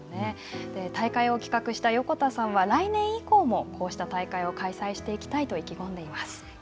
大会を企画した横田さんは来年以降もこうした大会を開催していきたいと意気込んでいます。